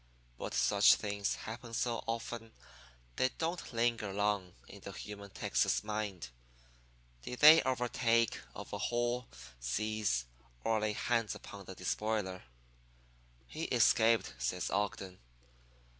'But such things happen so often they don't linger long in the human Texas mind. Did they overtake, overhaul, seize, or lay hands upon the despoiler?' "'He escaped,' says Ogden.